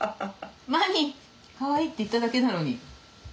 マミかわいいって言っただけなのに。